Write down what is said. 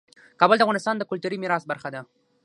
کابل د افغانستان د کلتوري میراث برخه ده.